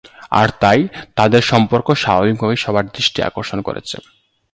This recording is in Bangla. আর তাই, তাদের সম্পর্ক স্বাভাবিকভাবেই সবার দৃষ্টি আকর্ষণ করেছে।